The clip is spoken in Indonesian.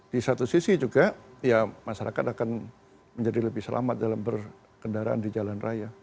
di satu sisi juga ya masyarakat akan menjadi lebih selamat dalam berkendaraan di jalan raya